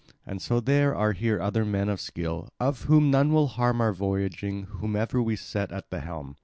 And so there are here other men of skill, of whom none will harm our voyaging, whomsoever we set at the helm.